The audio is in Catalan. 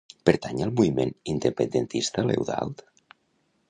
Pertany al moviment independentista l'Eudalt?